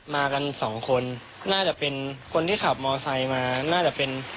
มากันสองคนน่าจะเป็นคนที่ขับมอไซค์มาน่าจะเป็น